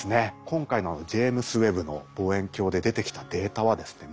今回のあのジェイムズ・ウェッブの望遠鏡で出てきたデータはですね